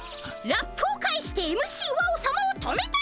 ラップを返してＭＣワオさまを止めた！